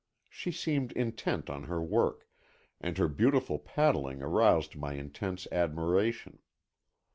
She seemed intent on her work, and her beautiful paddling aroused my intense admiration.